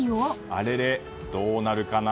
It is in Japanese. あれれどうなるかな？